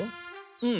うん。